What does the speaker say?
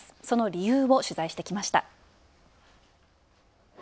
その理由を取材してきました。